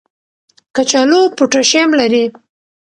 کچالو پوټاشیم لري.